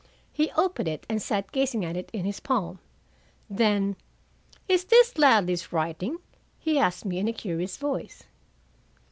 He opened it and sat gazing at it in his palm. Then, "Is this Ladley's writing?" he asked me in a curious voice.